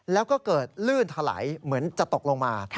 แล้วก็เกิดลื่นถลายเหมือนจะตกลงมา